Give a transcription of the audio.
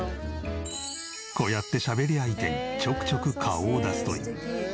こうやってしゃべり相手にちょくちょく顔を出すという。